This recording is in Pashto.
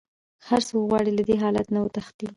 هر څوک غواړي له دې حالت نه وتښتي.